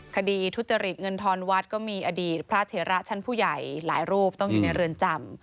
คดีทุจริตเงินทอนวัดก็มีอดีตพระเถระชั้นผู้ใหญ่หลายรูปต้องอยู่ในเรือนจำ